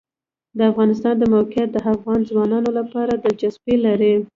د افغانستان د موقعیت د افغان ځوانانو لپاره دلچسپي لري.